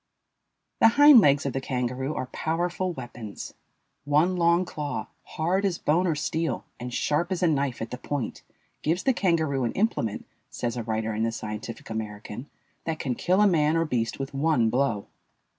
The hind legs of the kangaroo are powerful weapons. One long claw, hard as bone or steel, and sharp as a knife at the point, gives the kangaroo an implement, says a writer in the Scientific American, that can kill a man or beast with one blow.